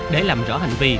để làm rõ hành vi